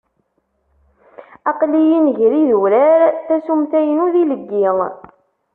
Aqel-iyi-n gar yidurar, tasumta-inu d ileggi.